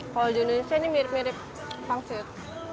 kalau di indonesia ini mirip mirip pangsir